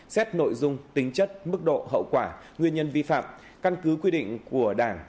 xét nội dung tính chất mức độ hậu quả nguyên nhân vi phạm căn cứ quy định của đảng